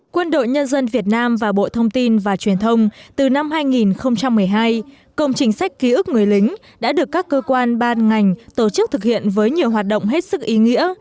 quân đội nhân dân việt nam và bộ thông tin và truyền thông từ năm hai nghìn một mươi hai công trình sách ký ức người lính đã được các cơ quan ban ngành tổ chức thực hiện với nhiều hoạt động hết sức ý nghĩa